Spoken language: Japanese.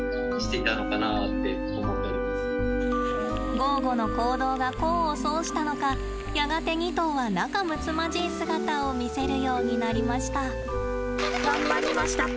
ゴーゴの行動が功を奏したのかやがて２頭は仲むつまじい姿を見せるようになりました。